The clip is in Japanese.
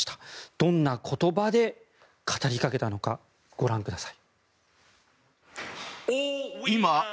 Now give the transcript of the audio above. どんな言葉で語りかけたのかご覧ください。